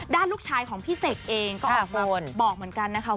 ลูกชายของพี่เสกเองก็ออกมาบอกเหมือนกันนะคะว่า